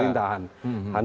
ada dalam pemerintahan